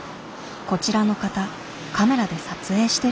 こちらの方カメラで撮影してる？